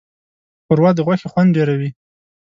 ښوروا د غوښې خوند ډېروي.